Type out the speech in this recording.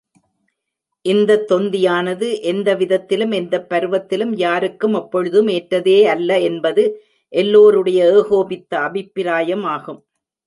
இந்தத் தொந்தியானது எந்த விதத்திலும், எந்தப் பருவத்திலும் யாருக்கும் எப்பொழுதும் ஏற்றதே அல்ல என்பது, எல்லோருடைய ஏகோபித்த அபிப்ராயமாகும்.